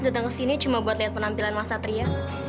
datang kesini cuma buat liat penampilan mas satria